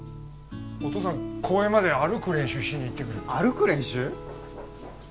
お父さん公園まで歩く練習しに行ってくる歩く練習？